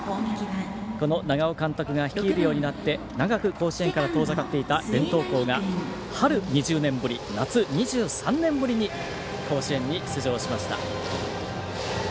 この長尾監督が来るようになって長く甲子園から遠ざかっていた伝統校が春２０年ぶりに甲子園に出場しました。